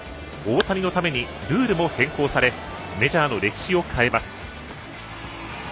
大谷のためにルールも変更されメジャーの歴史を変えます。